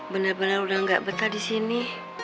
bener bener udah gak betah disini